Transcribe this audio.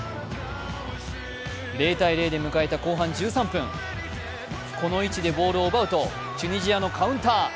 ０ー０で迎えた後半１３分、この位置でボールを奪うとチュニジアのカウンター。